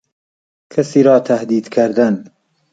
کسی را تهدید کردن